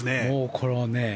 これはね